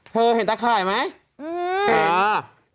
เธอเห็นตะไข่ไหมอืมเป็น